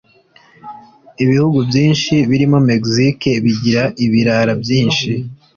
Ibihugu byinshi birimo mexike bigira ibirara byinshi